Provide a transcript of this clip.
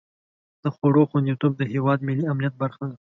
د خوړو خوندیتوب د هېواد ملي امنیت برخه ده.